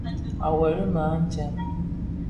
À weli më a ntseng.